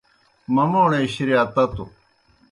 مموݨے شِرِیا تتوْ